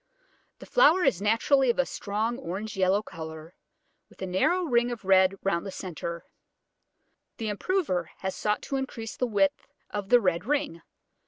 The flower is naturally of a strong orange yellow colour, with a narrow ring of red round the centre. The improver has sought to increase the width of the red ring.